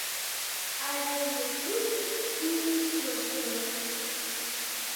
Але не тут і не сёння.